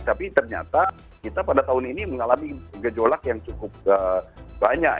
tapi ternyata kita pada tahun ini mengalami gejolak yang cukup banyak